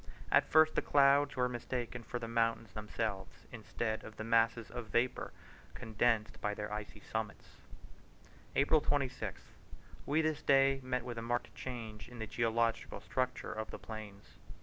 At first the clouds were mistaken for the mountains themselves, instead of the masses of vapour condensed by their icy summits. April 26th. We this day met with a marked change in the geological structure of the plains.